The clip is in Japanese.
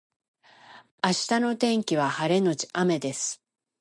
明日の天気は晴れのち雨です